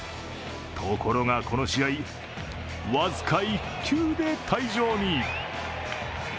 ところがこの試合、僅か１球で退場に。